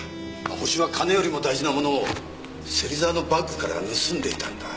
ホシは金よりも大事な物を芹沢のバッグから盗んでいたんだ。